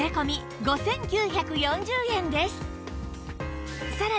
５９４０円です